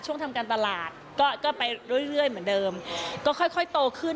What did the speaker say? ทำการตลาดก็ไปเรื่อยเหมือนเดิมก็ค่อยโตขึ้น